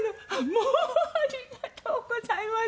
もうありがとうございます。